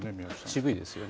渋いですよね。